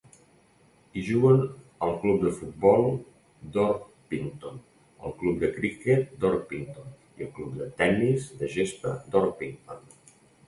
Hi juguen el Club de Futbol d'Orpington, el Club de criquet d'Orpington i el Club de tennis de gespa d'Orpington.